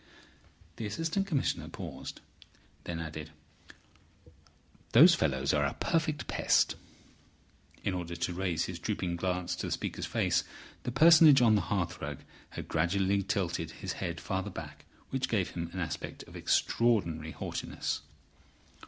The Assistant Commissioner paused, then added: "Those fellows are a perfect pest." In order to raise his drooping glance to the speaker's face, the Personage on the hearthrug had gradually tilted his head farther back, which gave him an aspect of extraordinary haughtiness.